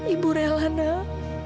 ibu rela nak